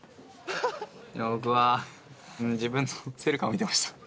今僕は自分のセルカを見てました。